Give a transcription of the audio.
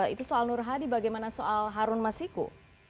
itu soal nur hadi bagaimana soal harun masiku